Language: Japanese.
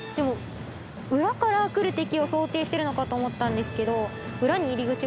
裏から来る敵を想定しているのかと思ったんですけど。